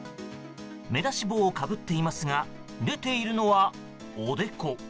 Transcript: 目出し帽をかぶっていますが出ているのは、おでこ？